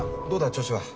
調子は。